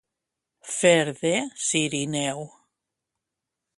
Fer de cirineu.